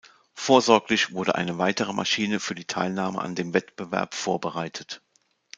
Vorsorglich wurde eine weitere Maschine für die Teilnahme an dem Wettbewerb vorbereitet.